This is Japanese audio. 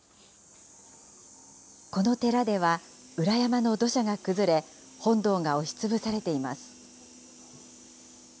この寺では、裏山の土砂が崩れ、本堂が押しつぶされています。